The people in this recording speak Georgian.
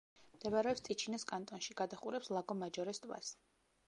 მდებარეობს ტიჩინოს კანტონში; გადაჰყურებს ლაგო-მაჯორეს ტბას.